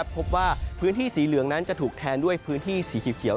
พบว่าพื้นที่สีเหลืองนั้นจะถูกแทนด้วยพื้นที่สีเขียว